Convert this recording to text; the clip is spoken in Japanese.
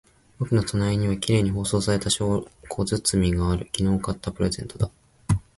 僕の隣には綺麗に包装された小包がある。昨日買ったプレゼントだ。